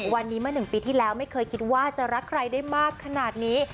วันนี้เมื่อ๑ปีที่แล้วไม่เคยคิดว่าจะรักใครได้มากขนาดนี้